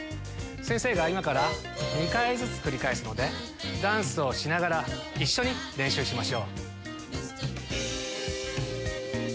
先生が今から２回ずつ繰り返すのでダンスをしながら一緒に練習しましょう。